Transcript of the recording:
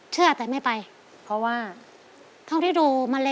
เชื่อเขาไหม